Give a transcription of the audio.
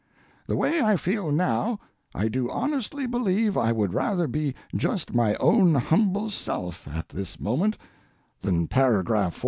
The way I feel now I do honestly believe I would rather be just my own humble self at this moment than paragraph 14.